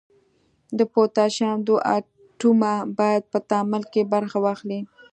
د پوتاشیم دوه اتومه باید په تعامل کې برخه واخلي.